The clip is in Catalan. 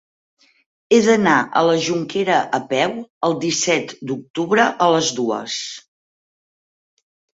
He d'anar a la Jonquera a peu el disset d'octubre a les dues.